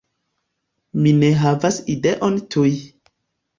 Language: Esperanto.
Mi ne havas ideon tuj.